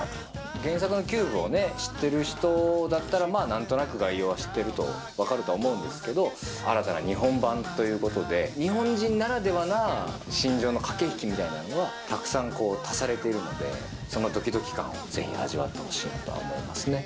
原作のＣＵＢＥを知ってる人だったら、まあなんとなく概要は知ってると、分かるとは思うんですけど、新たな日本版ということで、日本人ならではな心情の駆け引きみたいなのがたくさん足されているので、そのどきどき感をぜひ味わってほしいなとは思いますね。